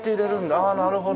ああなるほど。